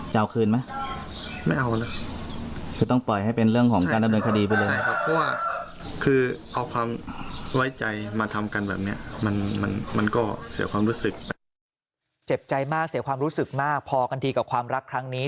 เจ็บใจมากเสียความรู้สึกมากพอกันทีกับความรักครั้งนี้